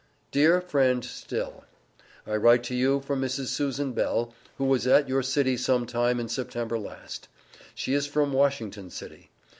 DEAR FRIEND STILL: I write to you for Mrs. Susan Bell, who was at your city some time in September last. She is from Washington city.